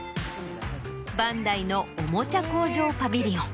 バンダイのおもちゃ工場パビリオン。